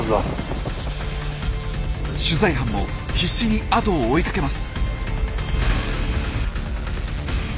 取材班も必死に後を追いかけます。